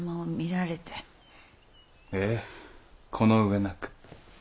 ええこの上なく。